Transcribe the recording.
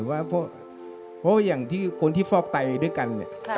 เพราะว่าอย่างที่คนที่ฟอกไตด้วยกัน